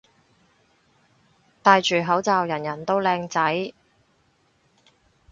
戴住口罩人人都靚仔